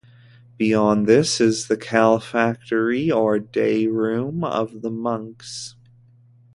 Beyond this is the calefactory or day-room of the monks.